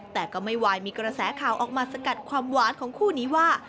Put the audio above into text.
แต่ก็ไม่วายมีกระแสข่าวออกมาสกัดความหวานของคู่นี้ว่า